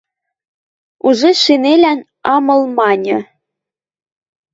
Уже шинелян ам ыл мӹньӹ.